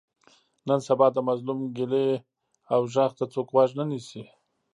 نن سبا د مظلوم ګیلې او غږ ته څوک غوږ نه نیسي.